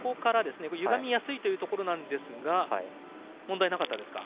ゆがみやすいというところですが問題なかったですか。